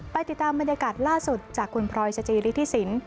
ติดตามบรรยากาศล่าสุดจากคุณพลอยสจิริธิสิน